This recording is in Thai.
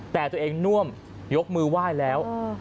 แต่ตัวเองน่วมยกมือไหว้แล้ว